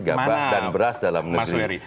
gabah dan beras dalam negeri